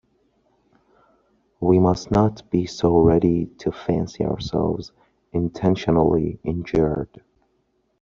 We must not be so ready to fancy ourselves intentionally injured.